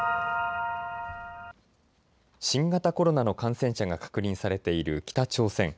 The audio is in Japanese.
新型コロナの感染者が確認されている北朝鮮。